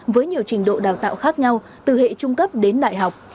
với nhiều trình độ đào tạo khác nhau từ hệ trung cấp đến đại học